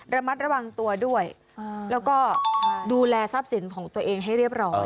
ระมัดระวังตัวด้วยแล้วก็ดูแลทรัพย์สินของตัวเองให้เรียบร้อย